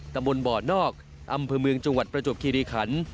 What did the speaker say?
ตำบลบ่อนอกอำเภอเมืองจังหวัดประจวบคิริขัน